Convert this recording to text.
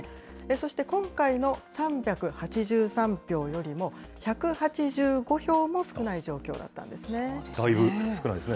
そして今回の３８３票よりも１８５票も少ない状況だったんですね。